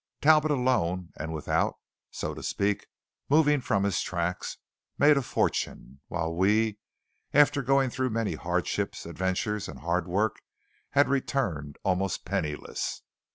Talbot had alone and without, so to speak, moving from his tracks, made a fortune, while we, after going through many hardships, adventures, and hard work, had returned almost penniless.